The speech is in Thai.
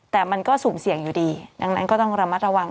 แต่มันก็สุ่มเสี่ยงอยู่ดีดังนั้นก็ต้องระมัดระวัง